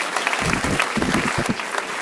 Umwarimu umwe wo mu gihugu cya French